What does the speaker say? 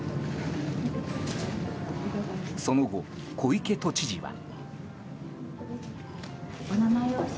その後、小池都知事は。